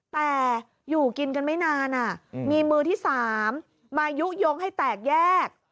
แต่อยู่กินกันไม่นานมีมือที่๓มายุโยงให้แตกแยก